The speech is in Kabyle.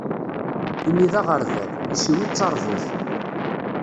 Imi d aɣerbal, iciwi d taṛbut.